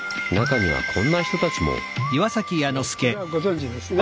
これはご存じですね？